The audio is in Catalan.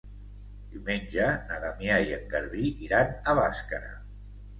Diumenge na Damià i en Garbí iran a Bàscara.